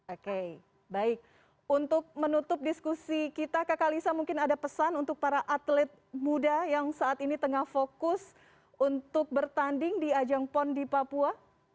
oke baik untuk menutup diskusi kita kakak lisa mungkin ada pesan untuk para atlet muda yang saat ini tengah fokus untuk bertanding di ajang pon di papua